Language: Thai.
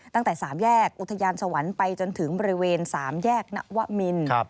ตั้งแต่๓แยกอุทยานสวรรค์ไปจนถึงบริเวณ๓แยกนวมิน